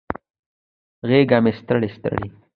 غیږه مې ستړي، ستړي